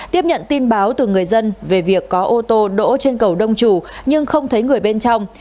tiếp nhận tin báo từ người dân về việc có ô tô đỗ trên cầu đông trù nhưng không thấy người bên trong